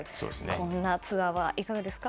こんなツアーはいかがですか？